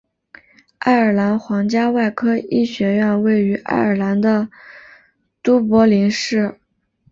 爱尔兰皇家外科医学院位于爱尔兰的都柏林市。